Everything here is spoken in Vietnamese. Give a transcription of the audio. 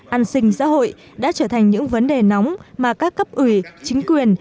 an sinh xã hội đã trở thành những vấn đề nóng mà các cấp ủy chính quyền